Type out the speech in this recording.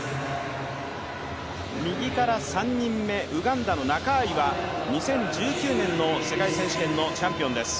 右から３人目ウガンダのナカーイは２０１９年の世界選手権のチャンピオンです。